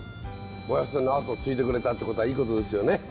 おやじさんの後を継いでくれたってことはいいことですよね。